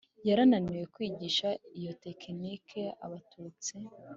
yarananiwe kwigisha iyo tekiniki abatutsi,